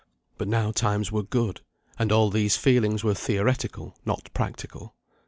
But now times were good; and all these feelings were theoretical, not practical.